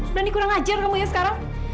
udah dikurang ajar kamu ya sekarang